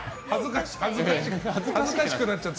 恥ずかしくなっちゃって。